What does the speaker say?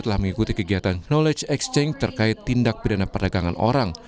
telah mengikuti kegiatan knowledge exchange terkait tindak pidana perdagangan orang